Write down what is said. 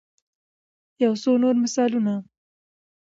يو څو نور مثالونه